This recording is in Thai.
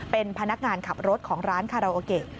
เป็นพนักงานขับรถของร้านคาราโอเกะ